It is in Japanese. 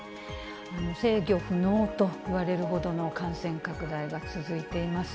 制御不能といわれるほどの感染拡大が続いています。